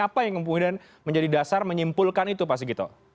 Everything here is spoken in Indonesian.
apa yang kemudian menjadi dasar menyimpulkan itu pas segitu